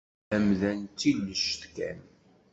Amdan d tililect kan.